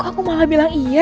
aku malah bilang iya